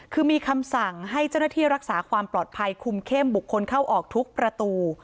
คือมีคำสั่งให้เจ้าหน้าที่รักษาความปลอดภัยคุมเข้มบุคคลเข้าออกทุกประตู